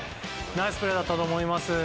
ナイスプレーだったと思います。